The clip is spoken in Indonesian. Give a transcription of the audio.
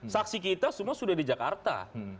saksi kita semua sudah di jakarta